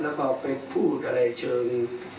แล้วก็ไปพูดอะไรเชิง